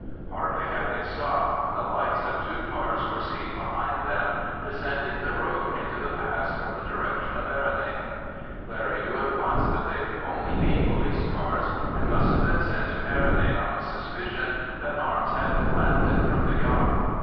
Hardly had they stopped when the lights of two cars were seen behind them, descending the road into the pass from the direction of Errinane. Larry knew at once that they could only be police cars, and must have been sent to Errinane on the suspicion that arms had been landed from the yacht.